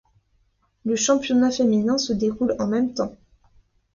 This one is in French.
Le championnat féminin se déroule en même temps.